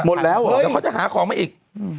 หมดแล้วแต่เขาจะหาของมาอีก